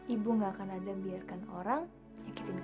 ibu gak akan ada yang biarkan orang nyakitin kalian